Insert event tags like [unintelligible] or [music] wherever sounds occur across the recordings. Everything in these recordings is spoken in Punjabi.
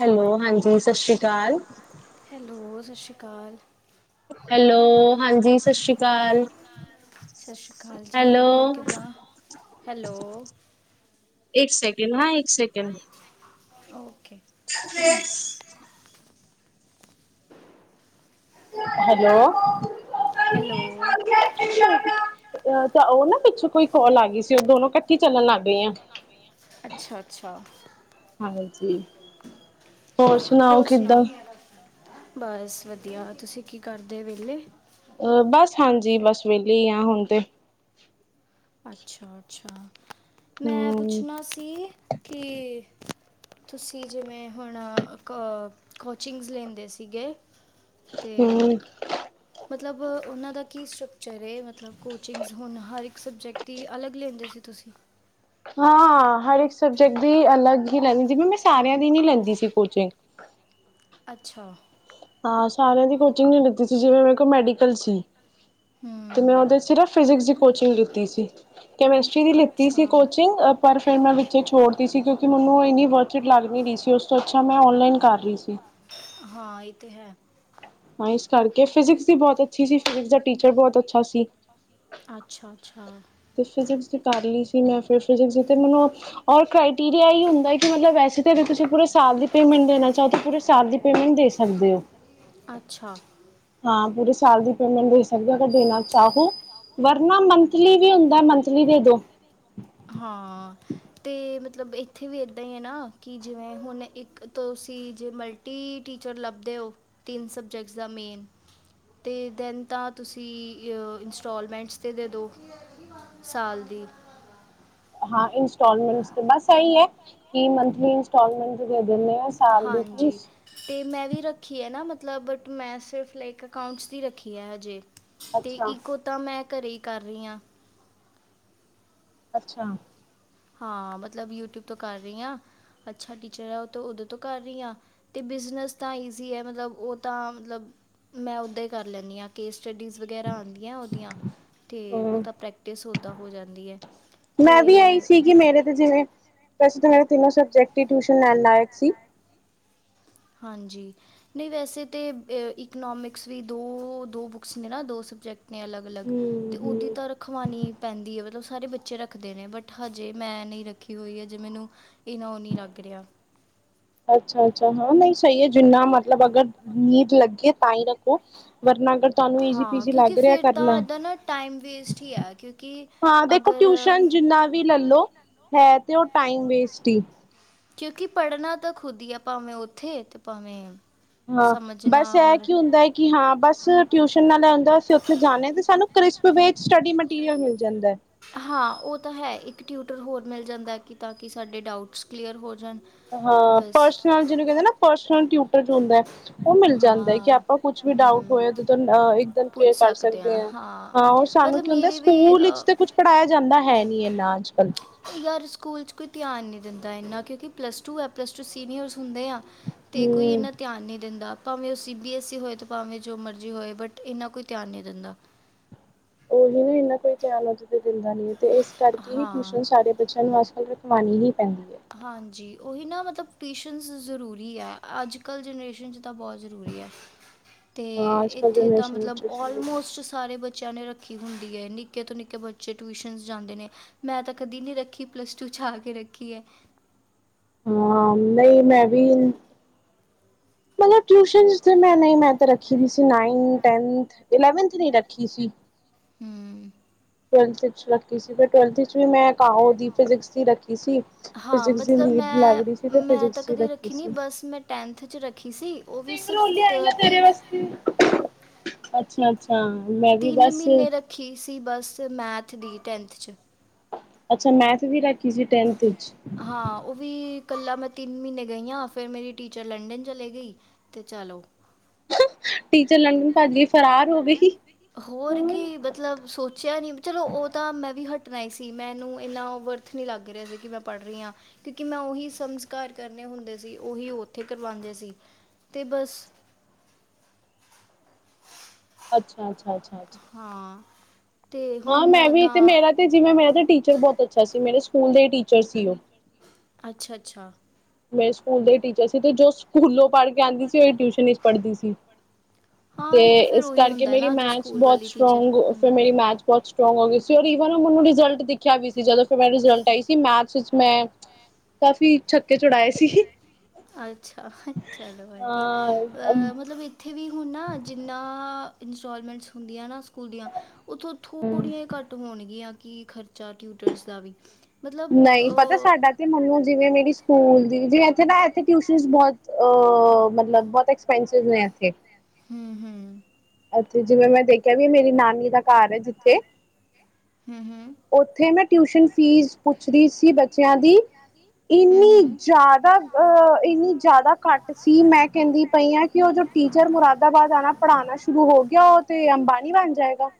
ਹੈਲੋ ਹਾਂਜੀ ਸਤਿ ਸ੍ਰੀ ਅਕਾਲ ਹੈਲੋ ਸਤਿ ਸ਼੍ਰੀ ਅਕਾਲ ਹੈਲੋ ਹਾਂਜੀ ਸਤਿ ਸ਼੍ਰੀ ਅਕਾਲ ਸਤਿ ਸ਼੍ਰੀ ਅਕਾਲ ਜੀ ਹੈਲੋ ਹੋਰ ਕਿੱਦਾਂ ਹੈਲੋ ਇੱਕ ਸੈਕਿੰਡ ਹਾਂ ਇੱਕ ਸੈਕਿੰਡ ਓ [inaudible] ਹੈਲੋ ਹੈਲੋ [inaudible] ਤਾਂ ਉਹ ਨਾ ਪਿੱਛੋਂ ਕੋਈ ਕੋਲ ਆ ਗਈ ਸੀ ਉਹ ਦੋਨੋ ਕੱਠੀ ਚੱਲਣ ਲੱਗ ਗਈ ਆ ਅੱਛਾ, ਅੱਛਾ ਹਾਂਜੀ ਹੋਰ ਸੁਣਾਓ ਕਿਦਾਂ? ਬਸ ਵਧੀਆ ਤੁਸੀਂ ਕੀ ਕਰਦੇ ਵਿੇਹਲੇ ਅ ਬਸ ਹਾਂਜੀ ਬਸ ਵਹਲੇ ਹੀ ਆ ਹੁਣ ਤੇ ਅੱਛਾ ਅੱਛਾ ਮੈਂ ਹਮ ਪੁੱਛਣਾ ਸੀ ਕੀ ਤੁਸੀਂ ਜਿਵੇਂ ਹੁਣ ਕ ਕੋਚਿੰਗਸ ਲੈਂਦੇ ਸੀਗੇ ਤੇ ਹਮ ਮਤਲਬ ਉਹਨਾਂ ਦਾ ਕੀ ਸਟਰਕਚਰ ਹੈ ਮਤਲਬ ਕੋਚਿੰਗਸ ਹੁਣ ਹਰ ਇੱਕ ਸਬਜੈਕਟ ਦੀ ਅਲੱਗ ਲੈਂਦੇ ਸੀ ਤੁਸੀਂ ਹਾਂ ਹਰ ਇੱਕ ਸਬਜੈਕਟ ਦੀ ਅਲੱਗ ਹੀ ਲੈਂਦੀ ਜਿਵੇਂ ਮੈਂ ਸਾਰਿਆਂ ਦੀ ਨੀ ਲੈਂਦੀ ਸੀ ਕੋਚਿੰਗ ਅੱਛਾ ਹਾਂ ਸਾਰਿਆਂ ਦੀ ਕੋਚਿੰਗ ਨ ਲਤੀ ਸੀ ਜਿਵੇਂ ਮੇਰੇ ਕੋਲ ਮੈਡੀਕਲ ਸੀ ਤੇ ਹੂੰ ਮੈਂ ਉਹਦੇ ਸਿਰਫ ਫਿਜਿਕਸ ਕੋਚਿੰਗ ਦਿੱਤੀ ਸੀ ਕੈਮਿਸਟਰੀ ਦੀ ਲਿੱਤੀ ਸੀ ਅੱਛਾ ਕੋਚਿੰਗ ਪਰ ਫਿਰ ਮੈਂ ਵਿੱਚ ਛੋੜਦੀ ਸੀ ਕਿਉਂਕਿ ਮੈਨੂੰ ਇੰਨੀ ਵਰਚਟ ਲੱਗ ਨਹੀਂ ਰਹੀ ਸੀ ਉਸ ਤੋਂ ਅੱਛਾ ਮੈਂ ਔਨਲਾਈਨ ਕਰ ਰਹੀ ਸੀ ਹਾਂ ਇਹ ਤੇ ਹੈ ਹਾਂ ਇਸ ਕਰਕੇ ਫਿਜਿਕਸ ਵੀ ਬਹੁਤ ਅੱਛੀ ਸੀ ਫਿਜਿਕ ਦਾ ਟੀਚਰ ਬਹੁਤ ਅੱਛਾ ਸੀ ਅੱਛਾ ਅੱਛਾ ਤੇ ਫਿਜਿਕਸ ਦੀ ਸੀ ਮਨਰੀ ਹੁੰਦਾ ਵਸ ਤੁਸੀ ਸ ਦੀ ਪੇਟ ਦੇ ਚਾਹੋ ਪ ਸ ਪੇੈਂਟ ਦੇ ਸਕਦੇ ਹੋ ਅੱਛਾ ਹਾਂ ਪੂਰੇ ਸਾਲ ਦੀ ਪੇਮੈਂਟ ਦੇ ਸਕਦਾ ਦੇਣਾ ਚਾਹੋ ਵਰਨਾ ਮੰਥਲੀ ਵੀ ਹੁੰਦਾ ਮੰਥਲੀ ਦੇ ਦੋ ਹਾਂ ਅਤੇ ਮਤਲਬ ਇੱਥੇ ਵੀ ਇੱਦਾਂ ਹੀ ਹੈ ਨਾ ਕਿ ਜਿਵੇਂ ਹੁਣ ਇੱਕ ਤੁਸੀਂ ਜੇ ਮਲਟੀ ਟੀਚਰ ਲੱਭਦੇ ਹੋ ਤਿੰਨ ਸਬਜੈਕਟਸ ਦਾ ਮੇਨ ਅਤੇ ਦੈਨ ਤਾਂ ਤੁਸੀਂ ਇੰਸਟਾਲਮੈਂਟਸ 'ਤੇ ਦੇ ਦਿਉ ਸਾਲ ਦੀ ਹਾਂ ਇੰਸਟਾਲਮੈਂਟ ਬਸ ਸਹੀ ਹੈ ਕਿ ਮੰਥਲੀ ਇੰਸਟਾਲਮੈਂਟ ਦੇ ਦਿੰਦੇ ਆ ਸਾਲ ਦੀ ਹਾਂਜੀ, ਫੀਸ ਤੇ ਮੈਂ ਵੀ ਰੱਖੀ ਹੈ ਨਾ ਮਤਲ ਮਤਲਬ ਬਟ ਮੈਂ ਸਿਰਫ ਲਾਈਕ ਅਕਾਊਂਟਸ ਦੀ ਰੱਖੀ ਹੈ ਹਜੇ। ਤੇ ਅੱਛਾ ਇੱਕੋ ਤਾਂ ਮੈਂ, ਘਰੇ ਹੀ ਕਰ ਰਹੀ ਹਾਂ। ਅੱਛਾ, ਹਾਂ, ਮਤਲਬ ਯੂਟਿਊਬ ਤੋਂ ਕਰ ਰਹੀ ਹਾਂ ਅੱਛਾ ਟੀਚਰ ਆ ਉਹ ਓਦੋਂ ਤੋਂ ਕਰ ਰਹੀ ਹਾਂ ਤੇ ਬਿਜਨਸ ਤਾਂ ਈਜ਼ੀ ਆ ਮਤਲਬ ਉਹ ਤਾਂ ਮਤਲਬ ਮੈਂ ਓਦਾਂ ਹੀ ਕਰ ਲੈਂਦੀ ਆ ਕੇ। ਸਟੱਡੀਜ਼ ਵਗੈਰਾ ਆਦੀਆਂ ਉਹਦੀਆਂ ਅਤੇ ਹਮ ਉਹਦਾ ਪ੍ਰੈਕਟਿਸ ਉੱਦਾਂ ਹੋ ਜਾਂਦੀ ਹੈ ਤੇ। ਮੈਂ ਵੀ ਆਈ ਸੀ ਕਿ ਮੇਰੇ ਤੇ ਜਿਵੇਂ ਵੈਸੇ ਤਾਂ ਮੇਰੇ ਤਿੰਨੋ ਸਬਜੈਕਟ ਦੀ ਟਿਊਸ਼ਨ ਲੈਣ ਲਾਇਕ ਸੀ। ਹਾਂਜੀ ਨਹੀਂ ਵੈਸੇ ਤੇ ਇਕਨੋਮਿਕਸ ਵੀ ਦੋਦੋ ਬੁੱਕਸ ਨੇ ਨਾ ਦੋ ਸਬਜੈਕਟ ਨੇ ਅਲੱਗ-ਅਲੱਗ ਹਮ ਤੇ ਓਦੀ ਹਮ ਤਾਂ ਰਖਵਾਣੀ ਪੈਂਦੀ ਹੈ ਮਤਲਬ ਸਾਰੇ ਬੱਚੇ ਰੱਖਦੇ ਨੇ ਬਟ ਹਜੇ ਮੈਂ ਨਹੀਂ ਰੱਖੀ ਹੋਈ ਹਜੇ ਮੈਨੂੰ ਇਨਾ ਨੀ ਲੱਗ ਰਿਹਾ। ਅੱਛਾ-ਅੱਛਾ ਹਾਂ ਨਹੀਂ ਸਹੀ ਹੈ ਜਿੰਨਾ ਮਤਲਬ ਅਗਰ ਨੀਂਡ ਲੱਗੇ ਤਾਂ ਹੀ ਰੱਖੋ ਵਰਨਾ। ਅ ਤੁਹਾਨੂੰ ਈਜੀ ਹਾਂ ਪੀਜੀ ਕਿਉਂਕਿ ਲੱਗ ਰਿਹਾ ਫਿਰ ਤਾਂ ਕਰਨਾ ਇੱਦਾਂ ਨਾ ਟਾਈਮ ਵੇਸਟ ਹੀ ਆ ਕਿਉਂਕਿ ਹਾਂ ਦੇਖੋ ਅਗਰ ਟਿਊਸ਼ਨ ਜਿੰਨਾ ਵੀ ਲੈਲੋ ਹੈ। ਅਤੇ ਉਹ ਟਾਈਮ ਵੇਸਟ ਹੀ, ਕਿਉਂਕਿ ਪੜ੍ਹਨਾ ਤਾਂ ਖੁਦ ਹੀ ਆ ਭਾਵੇਂ ਉੱਥੇ ਤੇ ਭਾਵੇਂ, ਹਾਂ ਸਮਝਣਾ ਬਸ ਇਹ ਔਰ ਕੀ ਹੁੰਦਾ ਹੈ ਕਿ ਹਾਂ ਬਸ ਟਿਊਸ਼ਨ ਨਾਲ ਹੁੰਦਾ ਅਸੀਂ ਉੱਥੇ ਜਾਣੇ ਤੇ ਸਾਨੂੰ, ਕ੍ਰਿਸਪ ਵਿੱਚ ਸਟੱਡੀ ਮਟੀਰੀਅਲ ਮਿਲ ਜਾਂਦਾ ਹੈ। ਹਾਂ ਉਹ ਤਾਂ ਹੈ ਇੱਕ ਟਿਊਟਰ ਹੋਰ ਮਿਲ ਜਾਂਦਾ ਕਿ ਤਾਂ ਕਿ ਸਾਡੇ ਡਾਊਟਸ ਕਲੀਅਰ ਹੋ ਜਾਣ। ਹਾਂ ਬਸ ਪਰਸਨਲ ਜਿਹਨੂੰ ਕਹਿੰਦੇ ਨਾ ਪਰਸਨਲ ਟਿਊਟਰ ਚ ਹੁੰਦਾ। ਉਹ ਮਿਲ ਜਾਂਦਾ ਕਿ ਹਾਂ ਆਪਾਂ ਕੁਛ ਵੀ ਡਾਊਟ ਹੂੰ ਹੋਏ ਇੱਕਦਮ ਪੁੱਛ ਕਲੀਅਰ ਕਰ ਸਕਦੇ ਆ ਹਾਂ ਉਹ ਸਾਨੂੰ ਮਤਲਬ ਕੀ ਹੁੰਦਾ ਮੇਰੇ ਵੀ ਸਕੂਲ ਵਿੱਚ ਅ, ਤਾਂ ਕੁਛ ਪੜ੍ਹਾਇਆ ਜਾਂਦਾ ਹੈ ਨੀ ਇਹਨਾ ਚ [unintelligible] ਯਾਰ ਸਕੂਲ ਚ ਕੋਈ ਧਿਆਨ ਨਹੀਂ ਦਿੰਦਾ ਇੰਨਾ ਕਿਉਂਕਿ ਪਲੱਸ ਟੂ ਹੈ ਪਲੱਸ ਟੂ ਸੀਨੀਅਰ ਸਕੂਲ, ਹੁੰਦੇ ਆ ਤੇ ਕੋਈ ਹਮ ਇਨਾ ਧਿਆਨ ਨਹੀਂ ਦਿੰਦਾ। ਭਾਵੇਂ ਉਹ ਸੀ ਬੀ ਐਸ ਈ ਹੋਏ ਤੇ ਭਾਵੇਂ ਜੋ ਮਰਜੀ ਹੋਏ ਬਟ ਇਹਨਾਂ ਕੋਈ ਧਿਆਨ ਨਹੀਂ ਦਿੰਦਾ। ਉਹੀ ਇੰਨਾ ਕੋਈ ਧਿਆਨ [unintelligible] ਨੀ ਤੇ ਇਸ ਕਰਕੇ ਹੀ ਹਾਂ ਟਿਊਸ਼ਨ ਸਾਰੇ ਬੱਚਿਆਂ ਨੂੰ ਅਸਲ ਰੱਖ। [unintelligible] ਹਾਂਜੀ, ਉਹੀ ਨਾ ਮਤਲਬ ਪੇਸ਼ੈਂਸ ਜ਼ਰੂਰੀ ਹੈ ਅੱਜ-ਕੱਲ੍ਹ ਜਨਰੇਸ਼ਨ 'ਚ ਤਾਂ ਬਹੁਤ ਜ਼ਰੂਰੀ ਹੈ। ਤੇ ਹਾਂ ਅੱਜ ਕੱਲ ਇੱਥੇ ਤਾਂ ਜਨਰੇਸ਼ਨ ਮਤਲਬ ਵਿੱਚ ਟਿਊਸ਼ਨ ਆਲਮੋਸਟ ਸਾਰੇ ਬ ਬੱਚਿਆਂ ਨੇ ਰੱਖੀ ਹੁੰਦੀ ਹੈ ਨਿੱਕੇ ਤੋਂ ਨਿੱਕੇ ਬੱਚੇ ਟਿਊਸ਼ਨਸ ਜਾਂਦੇ ਨੇ ਮੈਂ ਤਾਂ ਕਦੀ ਨਹੀਂ ਰੱਖੀ ਪਲੱਸ ਟੂ 'ਚ ਆ ਕੇ ਰੱਖੀ ਹੈ। ਹਾਂ, ਨਹੀਂ ਮੈਂ ਵੀ ਮਤਲਬ ਟਿਊਸ਼ਨ ਮੈਂ ਨਹੀਂ ਮੈਂ ਤੇ ਰੱਖੀ ਸੀ, ਨਾਈਨ ਟੈਥ ਈਲੇਵਨ ਚ ਨਹੀਂ ਰੱਖੀ ਸੀ। ਹੂੰ, ਟਵੇਲਥ ਚ ਰੱਖੀ ਸੀ, ਫਿਰ ਟਵੇਲਥ ਚ ਵੀ ਮੈਂ ਔਦੀ ਫਿਜਿਕਸ ਦੀ ਰੱਖੀ ਸੀ। ਹਾਂ ਫਿਜਿਕਸ ਦੀ ਮਤਲਬ ਨੀਡ ਮੈਂ ਲੱਗਦੀ ਸੀ ਤੇ ਮੈਂ ਤਾਂ ਫਿਜਿਕਸ ਚ ਕਦੇ ਰੱਖੀ ਨਹੀਂ ਸੀ। ਬਸ ਮੈਂ ਚ ਰੱਖੀ। ਸੀ ਉਹ ਵੀ ਰਿੰਗ ਸਿਰਫ ਰੋਲੀ ਆਈ ਤ- ਆ ਤੀ ਤੇਰੇ ਵਾਸਤੇ, ਜੀ, ਹਾਂ ਮੈਂ ਵੀ ਤਿੰਨ ਬਸ, ਮਹੀਨੇ ਰੱਖੀ ਸੀ ਬਸ ਮੈਥ ਦੀ ਟੈਂਨਥ 'ਚ ਅੱਛਾ ਮੈਂਥ ਵੀ ਰ ਕਿ ਜੇ ਟੈਂਨਥ ' ਕੱਲਾ ਮੈਂ ਤਿੰਨ ਮਹੀਨੇ ਗਈ ਹ ਫੇਰ ਮੇਰੀ ਟੀਚਰ ਲੰਡਨ ਚਲੇ ਗਈ ਤੇ ਚਲੋ ਟੀਚਰ ਲੰਡਨ ਭੱਜ ਗਈ ਫਰਾਰ ਹੋ ਗਈ ਹੋਰ ਕੀ ਮਤਲਬ ਸੋਚਿਆ ਨੀ ਚਲੋ ਉਹ ਤਾਂ ਮੈਂ ਵੀ ਹਟ ਣਾਈ ਸੀ ਮੈਂਨੂੰ ਇੰਨਾ ਵਰਥ ਨੀ ਲੱਗ ਰਿਹਾ ਸੀ ਕਿ ਮੈਂ ਪੜ੍ਹ ਰਹੀ ਹਾਂ ਕਿਉਂਕਿ ਮੈਂ ਉਹੀ ਸੰਸਕਾਰ ਕਰਨੇ ਹੁੰਦੇ ਸੀ ਉਹੀ ਉੱਥੇ ਕਰਵਾਉਂਦੇ ਸੀ ਤੇ ਬਸ ਅੱਛਾ ਅੱਛਾ। ਅੱਛਾ ਅੱਛਾ ਹੂ ਹਾਂ ਮੈਂ ਵੀ ਤੇ ਮੇਰਾ ਤੇ ਜਿਵੇਂ ਮੇਰਾ ਤੇ ਟੀਚਰ ਬਹੁਤ ਅੱਛਾ ਸੀ ਮੇਰੇ ਸਕੂਲ ਦੇ ਟੀਚਰ ਸੀ ਉਹ ਅੱਛਾ ਅੱਛਾ ਮੈਂ ਸਕੂਲ ਦੇ ਟੀਚਰ ਸੀ, ਤੇ ਜੋ ਸਕੂਲੋਂ ਪੜ੍ਹ ਕੇ ਆਉਂਦੀ ਸੀ। ਟਿਊਸ਼ਨ ਵਿੱਚ ਪੜ੍ਹਦੀ ਸੀ ਹਾਂ ਤੇ ਇਹ ਤਾਂ ਫਿਰ ਇਸ ਉਹੀ ਕਰਕੇ ਹੁੰਦਾ ਹੈ ਮੇਰੀ ਨਾ ਜੋ ਮੈਥ ਸਕੂਲ ਬਹੁਤ ਵਾਲੀ ਟੀਚਰ ਸਟਰੋਂਗ ਫਿਰ ਹੂੰ ਮੇਰੀ ਮੈਥ ਬਹੁਤ ਸਟਰੋਂਗ ਹੋ ਗਈ ਸੀ ਔਰ ਵਨ ਮੈਨੂੰ ਰਿਜਲਟ ਦਿਖਿਆ ਵੀ ਸੀ। ਜਦੋਂ ਫਿਰ ਮ ਰਿਜਲਟ ਆਈ ਸੀ ਮੈਥ ਚ ਮੈਂ ਕਾਫੀ ਕੇ ਚੁੜਾਏ ਸੀ। ਅੱਛਾ ਚਲੋ ਵਧੀਆ ਹਾਂ ਅਹ ਮਤਲਬ ਇੱਥੇ ਉੱਥੇ ਵੀ ਹੁਣ ਨਾ, ਜਿੰਨਾ ਇੰਸਾਲਮੈਂਟਾ ਹੁੰਦੀਆਂ ਨਾ। ਸਕੂਲ ਦੀਆਂ, ਉੱਥੋਂ ਥੋੜੀਆਂ ਘੱਟ ਹੋਣਗੀਆਂ। ਕੀ ਖਰਚਾ ਟਿਊਟਰਸ ਦਾ ਵੀ। ਮਤਲਬ ਨਹੀਂ ਪਤਾ, ਅ, ਸਾਡਾ ਤੇ ਮੁਨੂ ਜੀ ਨੇ ਵੀ ਮੇਰੀ ਸਕੂਲ। ਦੀਦੀ ਜੀ, ਇੱਥੇ ਨਾ, ਇੱਥੇ ਟਿਊਸ਼ਨ ਬਹੁਤ, ਆ-ਆ-ਆ, ਮਤਲਬ ਬਹੁਤ ਐਕਸਪੈਂਸਿਵ ਨੇ ਇੱਥੇ ਹੂ ਹੂ ਇੱਥੇ, ਜਿਵੇਂ ਮੈਂ ਦੇਖਿਆ ਵੀ, ਮੇਰੀ ਨਾਨੀ ਦਾ ਘਰ ਹੈ ਜਿੱਥੇ। ਹੂੰ ਹੂੰ ਉੱਥੇ ਮੈਂ ਟਿਊਸ਼ਨ ਫੀਸ ਪੁੱਛ ਰਹੀ ਸੀ ਬੱਚਿਆਂ ਦੀ ਹੂੰ ਇੰਨੀ ਹੂੰ ਜ਼ਿਆਦਾ, ਇੰਨੀ ਜ਼ਿਆਦਾ ਘੱਟ ਸੀ। ਮੈਂ ਕਹਿੰਦੀ ਪਈ ਆ ਕਿ ਉਹ ਜੋ ਟੀਚਰ ਮੁਰਾਦਾਬਾਦ ਆਉਣਾ, ਪੜ੍ਹਾਉਣਾ ਸ਼ੁਰੂ ਹੋ ਗਿਆ, ਉਹ ਤਾਂ ਅੰਬਾਨੀ ਬਣ ਜਾਏਗਾ।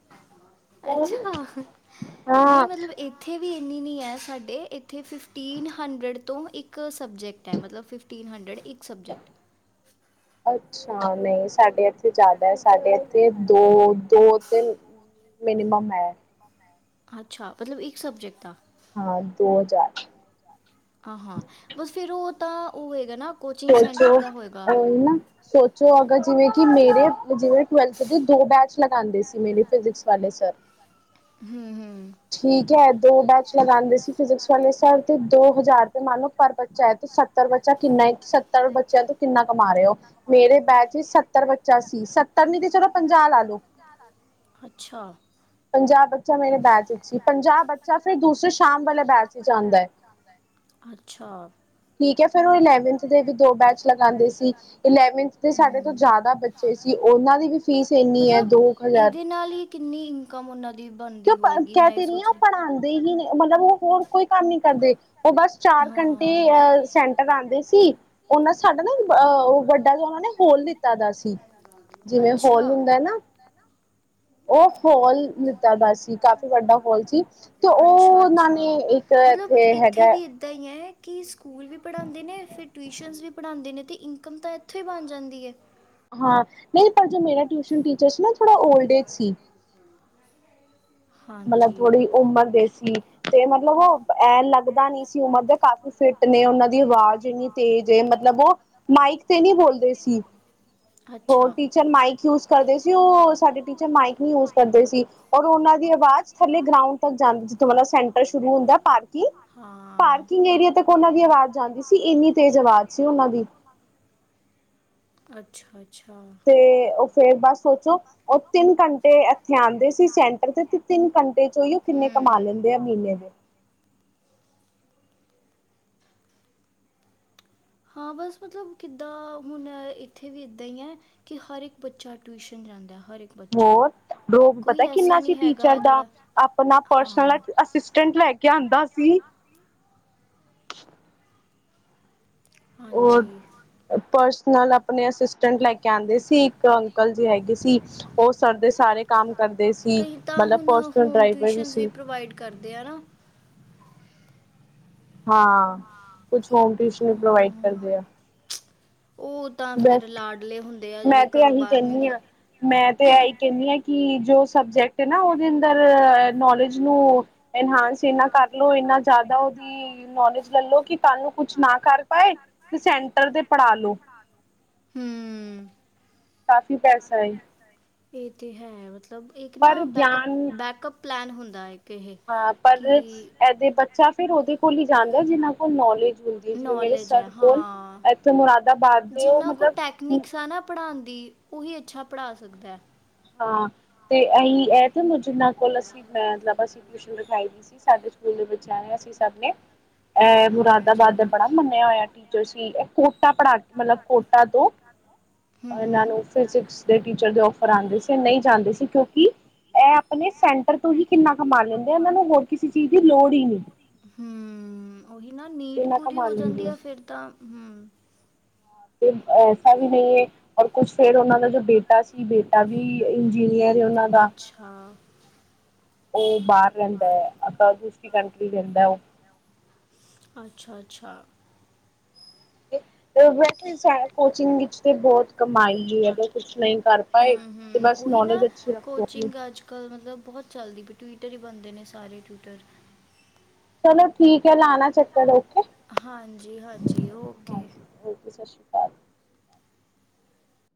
ਅੱਛਾ, ਹ-ਹ, ਹਾਂ ਨਹੀਂ, ਮਤਲਬ ਇੱਥੇ ਵੀ ਇੰਨੀ ਨੀ ਹੈ, ਸਾਡੇ ਇੱਥੇ ਫਿਫਟੀਨ ਹੰਡਰਡ ਤੋਂ ਇੱਕ ਸਬਜੈਕਟ ਹੈ, ਮਤਲਬ ਫਿਫਟੀਨ ਹੰਡਰਡ ਇੱਕ ਸਬਜੈਕਟ ਅੱਛਾ, ਨਹੀਂ ਸਾਡੇ ਇਥੇ ਜ਼ਿਆਦਾ ਹੈ। ਸਾਡੇ ਇੱਥੇ ਦੋ-ਦੋ ਤੇ ਮਿਨੀਮਮ ਹੈ। ਅੱਛਾ, ਮਤਲਬ ਇੱਕ ਸਬਜੈਕਟ ਦਾ ਹਾਂ, ਦੋ ਹਜ਼ਾਰ। ਆਹ ਹਾਂ ਬਸ ਫ਼ਿਰ ਉਹ ਤਾਂ ਉਹ ਹੋਏਗਾ ਨਾ ਕੋਚਿੰਗ ਸੈਂਟਰ ਸੋਚੋ, ਦਾ ਹੋਏਗਾ ਅ ਹਨ ਨਾ, ਸੋਚੋ ਅਗਰ, ਜਿਵੇਂ ਕਿ ਮੇਰੇ, ਜਿਵੇਂ ਟਵੈਲਥ ਦੇ ਦੋ ਬੈਚ। ਲਗਾਉਂਦੇ ਸੀ, ਮੇਰੀ ਫਿਜ਼ਿਕਸ ਵਾਲੇ ਸਰ। ਹਮ-ਹਮ ਠੀਕ ਹੈ। ਦੋ ਬੈਚ ਲਗਾਉਂਦੇ ਸੀ, ਫਿਜ਼ਿਕਸ ਵਾਲੇ ਸਰ, ਤੇ ਦੋ ਹਜ਼ਾਰ। ਮੰਨ ਲਓ, ਪਰ ਬੱਚਾ ਹੈ, ਤੇ ਸੱਤਰ ਬੱਚਾ ਕਿੰਨਾ ਹੈ? ਸੱਤਰ ਬੱਚਿਆ ਤੋਂ ਕਿੰਨਾ। ਕਮਾ ਰਹੇ ਹੋ। ਮੇਰੇ ਬੈਚ 'ਚ ਸੱਤਰ ਬੱਚਾ ਸੀ, ਸੱਤਰ ਨਹੀਂ ਤਾਂ ਚਲੋ ਪੰਜਾਹ ਲਾ ਲਓ। ਅੱਛਾ। ਪੰਜਾਹ ਬੱਚਾ ਮੇਰੇ ਬੈਚ। ਪੰਜਾਹ ਬੱਚਾ ਫਿਰ ਦੂਸਰੇ ਸ਼ ਸ਼ਾਮ ਵਾਲਾ ਬੈਚ ਆਉਂਦਾ ਹੈ। ਅੱਛਾ ਠੀਕ ਆ, ਫਿਰ ਉਹ ਇਲੈਵਨ ਦੇ ਵੀ ਦੋ ਬੈਚ ਲਗਾ ਦੇ ਸੀ। ਇਲੈਵਨ ਦੇ ਸਾਡੇ ਤੋਂ ਹੂੰ ਜ਼ਿਆਦਾ ਬੱਚੇ ਸੀ। ਉਹਨਾਂ ਦੀ ਵੀ ਫੀਸ ਇੰਨੀ ਹੈ, ਮਤਲਬ ਦੋ ਹਜ਼ਾਰ। ਇਹਦੇ ਨਾਲ ਹੀ ਕਿੰਨੀ ਇਨਕਮ ਉਹਨਾਂ ਦੀ ਤੇ ਬਣਦੀ ਪਾ ਹੋਏਗੀ ਕਹਿ ਮੈਂ ਇਹ ਤੇ ਰਹੀ, ਸੋਚ ਉਹ ਪੜ੍ਹਾਉਂਦੇ ਹੀ ਨੇ, ਮਤਲਬ ਉਹ। ਹੋਰ ਕੋਈ ਕੰਮ ਨਹੀਂ ਕਰਦੇ। ਉਹ ਬਸ ਰਹੀ ਚਾਰ ਘੰਟੇ ਹਾਂ ਅ ਸੈਂਟਰ ਆਉਂਦੇ ਸੀ। ਉਹਨਾਂ ਸਾਡਾ ਨਾ, ਅਹ, ਉਹ ਵੱਡਾ ਜਿਹਾ, ਉਹਨਾਂ ਨੇ ਹਾਲ ਦਿੱਤਾ ਦਾ ਸੀ। ਜਿਵੇਂ ਹੋਲ ਅੱਛਾ ਹੁੰਦਾ ਹੈ ਨਾ ਉਹ ਹੋਲ। ਇੱਦਾਂ ਦਾ ਸੀ, ਕਾਫ਼ੀ ਵੱਡਾ ਹਾਲ ਸੀ, ਤੇ ਉਹ ਅੱਛਾ ਉਹਨਾਂ ਅੱਛਾ ਨੇ ਇੱਕ ਮਤਲਬ ਇੱਥੇ ਹੈਗਾ। ਵੀ ਇਦਾਂ ਹੀ ਹੈ ਕਿ ਸਕੂਲ ਵੀ ਪੜ੍ਹਾਉਂਦੇ ਨੇ ਫਿਰ ਟਿਊਸ਼ਨਸ ਵੀ ਪੜ੍ਹਾਉਂਦੇ ਨੇ ਅਤੇ ਇਨਕਮ ਤਾਂ ਇੱਥੋਂ ਹੀ ਬਣ ਜਾਂਦੀ ਹੈ ਹਾਂ ਨਹੀਂ ਪਰ ਜੋ ਮੇਰਾ ਟਿਊਸ਼ਨ ਟੀਚਰ ਸੀ ਨਾ ਥੋੜ੍ਹਾ ਓਲਡ ਏਜ ਸੀ [inaudible] ਮਬ ਹਾਂਜੀ ਉਮਰ ਦੇ ਸੀ ਤੇ ਮਤਲਬ ਉਹ ਲੱਗਦਾ ਨ ਸੀ ਉਮਰ ਦੇ ਕਾਫੀ ਫਿਟ ਨੇ ਉਹਨਾਂ ਦੀ ਆਵਾਜ਼ ਇਨੀ ਤੇਜ ਮਤਲਬ ਉਹ ਮਾਈਕ ਤੇ ਨਹੀਂੀ ਬੋਲਦੇ ਸੀ ਉਹ ਅੱਛਾ ਟੀਚਰ ਮਾਈਕ ਯੂਜ ਕਰਦੇ ਸੀ ਉਹ ਸਾਡੇ ਟੀਚਰ ਮਾਈਕ ਨੀ ਯੂਜ ਕਰਦੇ ਸੀ ਔਰ ਉਹਨਾਂ ਦੀ ਆਵਾਜ਼ ਥੱਲੇ ਗਰਾਂਡ ਤੱਕ ਜਾਂਦੀ ਜਿੱਥੋਂਤਲਬ ਸੈਂਟਰ ਸ਼ੁਰੂ ਹੁੰਦਾ ਪਾਰਕਿੰਗ ਹਾਂ ਪਾਰਕਿੰਗ ਏਰੀਆ ਤੱਕ ਉਹਨਾਂ ਦੀ ਆਵਾਜ਼ ਜਾਂਦੀ ਸੀ ਇੰਨੀ ਤੇਜ਼ ਆਵਾਜ਼ ਸੀ ਉਹਨਾਂ ਦੀ ਅੱਛਾ ਅੱਛਾ ਤੇ ਉਹ ਫੇਰ ਬਸ ਸੋਚੋ ਉਹ ਤਿੰਨ ਘੰਟੇ ਇੱਥੇ ਆਉਂਦੇ ਸੀ ਸੈਂਟਰ ਤੇ ਤੇ ਤਿੰਨ ਘੰਟੇ ਚੋਂਈ ਉਹ ਕਿੰਨੇ ਕਮਾ ਹੂੰ ਲੈਂਦੇ ਆ ਮਹੀਨੇ ਦੇ ਹਾਂ ਬਸ ਮਤਲਬ ਕਿੱਦਾਂ ਹੁਣ ਇੱਥੇ ਵੀ ਇੱਦਾਂ ਹੀ ਹੈ ਕਿ ਹਰ ਇੱਕ ਬੱਚਾ ਟਿਊਸ਼ਨ ਜਾਂਦਾ ਹਰ ਇੱਕ ਬੱਚਾ ਹੋਰ ਡੋਪ ਕੋਈ ਪਤਾ ਐਸਾ ਕਿੰਨਾ ਸੀ ਨਹੀਂ ਟੀਚਰ ਹੈਗਾ ਦਾ ਜਿਹੜਾ ਆਪਣਾ ਪਰਸਨਲ ਹਾਂ ਅਸਿਸਟੈਂਟ ਲੈ ਕੇ ਆਉਂਦਾ ਸੀ ਹਮ ਹੋਰ ਹਾਂਜੀ ਪਰਸ ਨਾਲ ਆਪਣੇ ਅਸਿਸਟੈਂਟ ਲਾਈਕ ਕਹਿੰਦੇ ਸੀ ਇੱਕ ਅੰਕਲ ਜੀ ਹੈਗੇ ਸੀ ਉਹ ਸਰਦੇ ਸਾਰੇ ਕੰਮ ਕਰਦੇ ਸੀ ਕਈ ਤਾਂ ਮਤਲਬ ਹੁਣ ਪਸਟ ਹੋਮ ਡਰਾਈਵਰ ਵੀ ਟਿਊਸ਼ਨਸ ਸੀ ਪ੍ਰੋਵਾਈਡ ਕਰਦੇ ਆ ਨਾ ਹਾਂ ਕੁਛ ਹੋਮ ਟਿਊਸ਼ਨ ਵੀ ਪ੍ਰੋਵਾਈਡ ਹਾਂ ਕਰਦੇ ਆ ਉਹ ਤਾਂ ਬਸ ਫਿਰ ਲਾਡਲੇ ਹੁੰਦੇ ਆ ਮੈਂ ਜਿਹੜੇ ਤੇ ਘਰੋਂ ਇਹੀ ਬਾਹਰ ਨਹੀਂ ਕਹਿੰਦੀ ਦੇ ਹਾਂ ਮੈਂ ਤੇ ਇਹੀ ਕਹਿੰਦੀ ਹਾਂ ਕਿ ਜੋ ਸਬਜੈਕਟ ਨਾ ਉਹਦੇ ਅੰਦਰ ਨੌਲੇਜ ਨੂੰ ਇਨਹਾਂਸ ਇਹਨਾਂ ਕਰ ਲ ਇਨਾ ਜ਼ਿਆਦਾ ਉਹਦੀ ਨੌਲੇਜ ਲੈਲੋ ਕਿ ਤੁਹਾਨੂੰ ਕੁਛ ਨਾ ਕਰ ਪਾਏ ਤੇ ਸੈਂਟਰ ਤੇ ਪੜ੍ਹਾ ਲੋ ਹਮ ਕਾਫੀ ਪੈਸਾ ਹੈ ਇਹ ਤੇ ਹੈ ਮਤਲਬ ਮਤਲਬ ਇੱਕ ਪਰ ਨਾ ਬੈਕਅਪ ਗਿਆਨ ਬੈਕਅਪ ਪਲੈਨ ਹੁੰਦਾ ਹੈ ਕਿ ਇਹ ਹਾਂ ਪਰ ਕਿ ਇਹਦੇ ਬੱਚਾ ਫਿਰ ਉਹਦੇ ਕੋਲ ਹੀ ਜਾਂਦਾ ਜਿਨਾਂ ਕੋਲ ਨੌਲੇਜ ਹੁੰਦੀ ਹੈ ਜਿਵੇਂ ਮੇਰੇ ਨੋਲੇਜ ਹੈ ਸਰ ਕੋਲ ਹਾਂ ਇੱਥੇ ਮੁਰਾਦਾਬਾਦ ਦੇ ਉਹ ਜਿੰਨਾ ਕੁ ਮਤਲਬ ਟੈਕਨਿਕਸ ਆ ਨਾ ਪੜ੍ਹਉਣ ਦੀ ਉਹੀ ਅੱਛਾ ਪੜ੍ਹਾ ਸਕਦਾ ਹੈ ਹਾਂ ਤੇ ਅਸੀਂ ਇਹ ਤੇ ਜਿਨਾਂ ਕੋਲ ਅਸੀਂ ਮਤਲਬ ਅਸੀਂ ਟਿਊਸ਼ਨ ਲਖਾਈ ਦੀ ਸੀ ਸਾਡੇ ਸਕੂਲ ਦੇ ਵਿੱਚ ਆਏ ਅਸੀਂ ਸਭ ਨੇ ਇਹ ਹਾਂਜੀ ਮੁਰਾਦਾਬਾਦ ਦਾ ਬੜਾ ਮੰਨਿਆ ਹੋਇਆ ਟੀਚਰ ਸੀ ਇਹ ਕੋਟਾ ਪੜ੍ਹਾ ਮਤਲਬ ਕੋਟਾ ਤੋਂ ਹੂੰ ਇਹਨਾਂ ਹੂੰ ਨੂੰ ਫਿਜਿਕਸ ਦੇ ਟੀਚਰ ਦੇ ਪੜ੍ਹਦੇ ਸੀ ਨਹੀਂ ਜਾਂਦੇ ਸੀ ਕਿਉਂਕਿ ਇਹ ਆਪਣੇ ਸੈਂਟਰ ਪਰ ਤੁਹੀ ਕਿੰਨਾ ਕਮਾ ਲੈਂਦੇ ਆ ਇਹਨਾਂ ਨੂੰ ਹੋਰ ਕਿਸੇ ਚੀਜ਼ ਦੀ ਲੋੜ ਹੀ ਨਹੀਂ ਹੂੰ ਉਹੀ ਨਾ ਨੀਡ ਇੰਨਾ ਪੂਰੀ ਕਮਾ ਹੋ ਜਾਂਦੀ ਲੈਂਦੇ ਆ ਫਿਰ ਤਾਂ ਹਮ ਤੇ ਐਸਾ ਵੀ ਨਹੀਂ ਹੈ, ਔਰ ਕੁਛ ਫੇਰ, ਉਨਾਂ ਦਾ ਜੋ ਬੇਟਾ ਸੀ ਬੇ ਤਾ ਵੀ ਇੰਜੀਨੀਅਰ ਉਹਨਾਂ ਦਾ ਅੱਛਾ ਓ ਬਾਹਰ ਰਹਿੰਦਾ ਐ, ਆਪਾਂ ਦੂਸਰੀ ਕੰਟਰੀ ਰਹਿੰਦਾ ਓ। ਅੱਛਾ ਅੱਛਾ। ਵੈਸੇ ਕੋਚਿੰਗ ਵਿੱਚ ਤੇ ਬਹੁਤ ਕਮਾਈ ਅਗਰ ਕੁਛ ਨਹੀਂ। ਕਰ ਹੂ ਪਾਏ ਹੂ ਤੇ ਬਸ ਉਹੀ ਨਾ ਨੌਲੇਜ ਅੱਛੀ ਰੱਖੋ ਆਪਣੀ ਕੋਚਿੰਗ ਅੱਜ ਕਲ ਮਤਲਬ। ਬਹੁਤ ਚੱਲਦੀ ਵੀ ਟਵਿਟਰ ਹੀ ਬਣਦੇ ਨੇ ਸਾਰੇ ਟਵਿੱਟਰ। ਚਲੋ ਠੀਕ ਐ ਲਾਣਾ ਚੱਕਰ ਓ। ਹਾਂਜੀ ਹਾਂਜੀ ਓਕੇ। ਹਾਂਜੀ ਓਕੇ ਸਤਿ ਸ਼੍ਰੀ ਅਕਾਲ